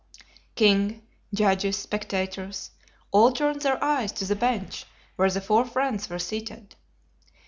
King, judges, spectators, all turned their eyes to the bench where the four friends were seated.